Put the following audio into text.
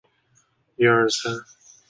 蒙特格里多尔福。